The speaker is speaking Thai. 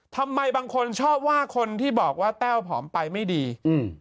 ทำไมบางคนชอบว่าคนที่บอกว่าแต้วผอมไปไม่ดีอืม